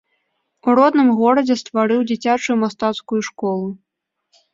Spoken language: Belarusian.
У родным горадзе стварыў дзіцячую мастацкую школу.